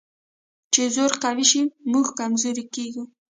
چې زور قوي شي، موږ کمزوري کېږو.